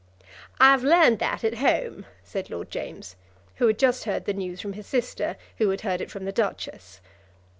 "I have learned that at home," said Lord James, who had just heard the news from his sister, who had heard it from the Duchess.